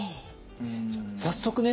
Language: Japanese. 早速ね